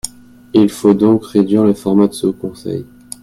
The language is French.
Il faut donc réduire le format de ce Haut conseil.